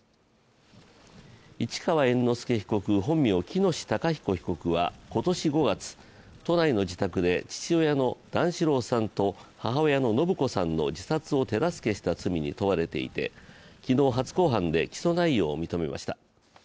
市川猿之助被告、本名・喜熨斗孝彦被告は今年５月、都内の自宅で父親の段四郎さんと母親の延子さんの自殺を手助けした罪に問われていて昨日初公判で起訴内容を認めました。